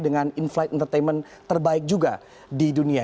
untuk mencari entertainment terbaik juga di dunia